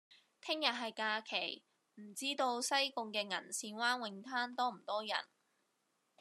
聽日係假期，唔知道西貢嘅銀線灣泳灘多唔多人？